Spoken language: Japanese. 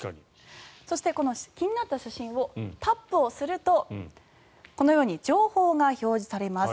そして、気になった写真をタップするとこのように情報が表示されます。